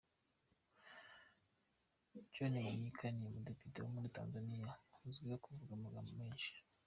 John Mnyika ni umudepite wo muri Tanzania uzwiho kuvuga amagambo menshi.